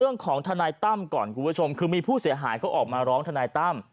ทนายตั้มก่อนคุณผู้ชมคือมีผู้เสียหายเขาออกมาร้องทนายตั้ม